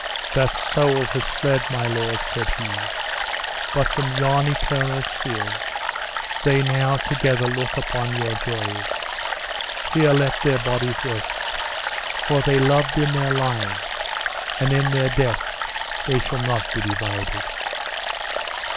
"That soul has fled, my lord!" said he; "but from yon eternal sphere, they now together look upon your joys. Here let their bodies rest; for 'they loved in their lives, and in their deaths they shall not be divided!"